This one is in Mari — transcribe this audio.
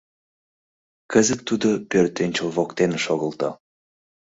Кызыт тудо пӧртӧнчыл воктене шогылто.